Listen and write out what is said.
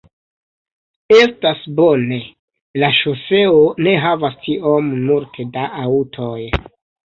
Estas bone, la ŝoseo ne havas tiom multe da aŭtoj